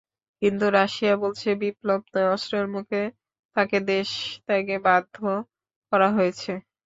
কিন্তু রাশিয়া বলছে, বিপ্লব নয়, অস্ত্রের মুখে তাঁকে দেশত্যাগে বাধ্য করা হয়েছে।